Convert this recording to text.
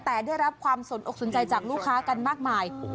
แต่ได้รับความสนอกสนใจจากลูกค้ากันมากมาย